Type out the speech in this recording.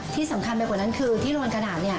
ที่สำคัญมากกว่านั้นคือที่โรงนกระดาษนี่